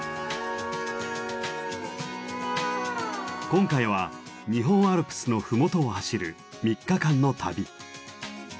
今回は日本アルプスの麓を走る３日間の旅。